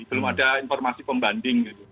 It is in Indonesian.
belum ada informasi pembanding